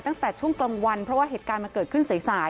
ตั้งแต่ช่วงกลางวันเพราะว่าเหตุการณ์มันเกิดขึ้นสาย